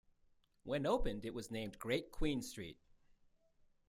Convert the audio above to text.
When opened it was named "Great Queen Street".